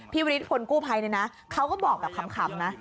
พี่วิทธิพลกู้ไพรนะเขาก็บอกแบบขำนะ